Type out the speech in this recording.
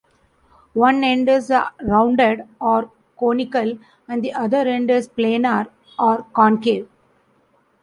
One end is rounded or conical and the other end is planar or concave.